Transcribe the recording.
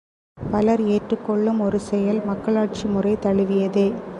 பலர் ஏற்றுக் கொள்ளும் ஒரு செயல் மக்களாட்சி முறை தழுவியதே.